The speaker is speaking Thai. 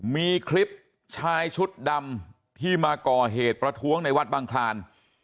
มีคลิปชายชุดดำที่มาก่อเหตุประท้วงในวัดบังคลาน